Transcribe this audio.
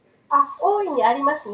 大いにありますね。